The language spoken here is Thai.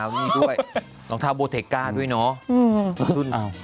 หลังเท้าสายบูเทคด้วยเนาะ